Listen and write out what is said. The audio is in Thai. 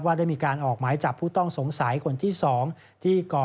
ได้มีการออกหมายจับผู้ต้องสงสัยคนที่๒ที่ก่อ